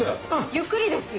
ゆっくりですよ？